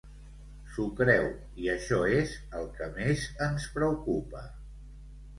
S'ho creu, i això és el que més ens preocupa.